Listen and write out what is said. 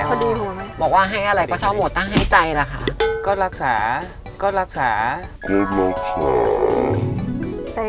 หมวกว่าให้อะไรก็ตั้งใจละคะ